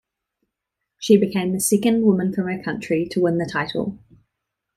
She became the second woman from her country to win the title.